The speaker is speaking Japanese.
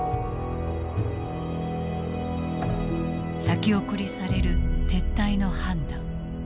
先送りされる撤退の判断。